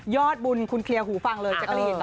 ยอดบุญคุณเคลียร์หูฟังเลย